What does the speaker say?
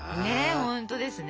本当ですね。